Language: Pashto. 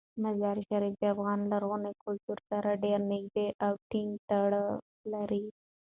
مزارشریف د افغان لرغوني کلتور سره ډیر نږدې او ټینګ تړاو لري.